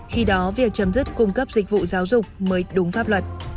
khi đó việc chấm dứt cung cấp dịch vụ giáo dục mới đúng pháp luật